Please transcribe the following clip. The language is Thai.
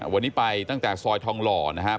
วันนี้ไปตั้งแต่ซอยทองหล่อนะครับ